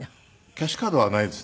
キャッシュカードはないですね。